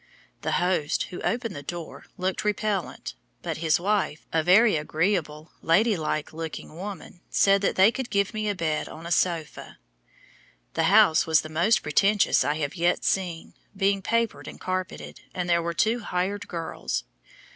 The host, who opened the door, looked repellent, but his wife, a very agreeable, lady like looking woman, said they could give me a bed on a sofa. The house was the most pretentious I have yet seen, being papered and carpeted, and there were two "hired girls."